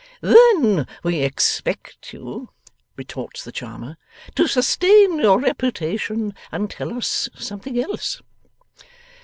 'Then we expect you,' retorts the charmer, 'to sustain your reputation, and tell us something else.